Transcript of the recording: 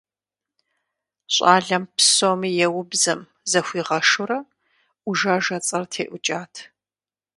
ЩӀалэм псоми еубзэм, захуигъэшурэ, «ӏужажэ» цӀэр теӀукӀат.